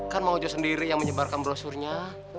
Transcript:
kan mak ujo sendiri yang menyebarkan brosurnya